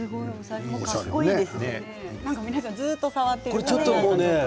皆さんずっと触っていますね。